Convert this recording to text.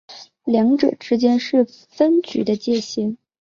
二者之间是两个分局的界线。